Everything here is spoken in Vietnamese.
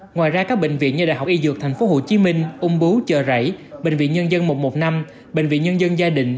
ngoài ra các bệnh viện như đh y dược tp hcm úng bú chợ rảy bệnh viện nhân dân một trăm một mươi năm bệnh viện nhân dân gia định